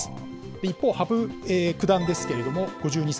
一方、羽生九段ですけれども、５２歳。